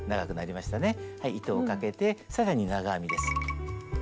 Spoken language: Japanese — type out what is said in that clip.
糸をかけて更に長編みです。